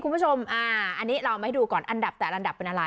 คุณผู้ชมอันนี้เรามาให้ดูก่อนอันดับแต่อันดับเป็นอะไร